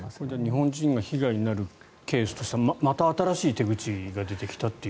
日本人が被害に遭うケースというのはまた新しい手口が出てきたという。